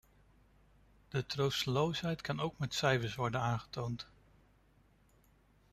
De troosteloosheid kan ook met cijfers worden aangetoond.